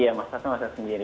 iya masaknya masak sendiri